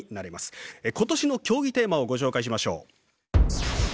今年の競技テーマをご紹介しましょう。